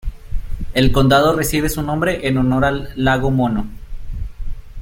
El condado recibe su nombre en honor al Lago Mono.